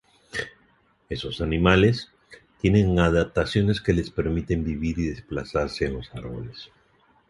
Estos animales tienen adaptaciones que les permiten vivir y desplazarse en los árboles.